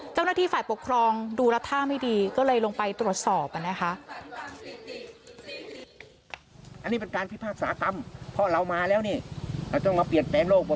เจ้าหน้าที่ฝ่ายปกครองดูแล้วท่าไม่ดีก็เลยลงไปตรวจสอบนะคะ